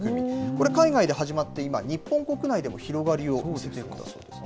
これ、海外で始まって今、日本国内でも広がりを見せてるんだそうです。